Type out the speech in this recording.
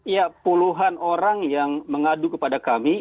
ya puluhan orang yang mengadu kepada kami